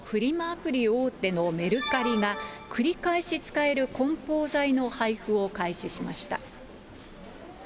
アプリ大手のメルカリが、繰り返し使える梱包材の配布を開始しました。